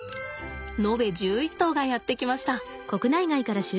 延べ１１頭がやって来ました。